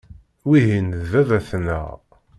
Wihin d baba-tneɣ.